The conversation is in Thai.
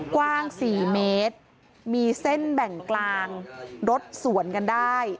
กว้าง๔เมตรมีเส้นแบ่งกลางรถสวนกันได้